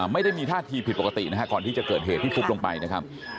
ไม่ได้มีท่าทีผิดปกตินะฮะก่อนที่จะเกิดเหตุที่ฟุบลงไปนะครับ